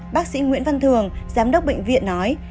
bác sĩ nguyễn văn thường giám đốc bệnh viện nói